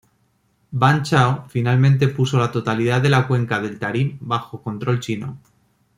Ban Chao finalmente puso la totalidad de la cuenca del Tarim bajo control chino.